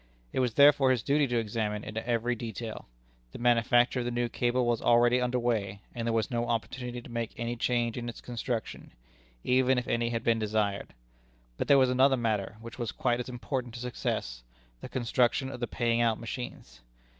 It was therefore his duty to examine into every detail. The manufacture of the new cable was already under way, and there was no opportunity to make any change in its construction, even if any had been desired. But there was another matter which was quite as important to success the construction of the paying out machines.